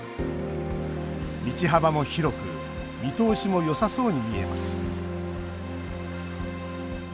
道幅も広く見通しもよさそうに見えます。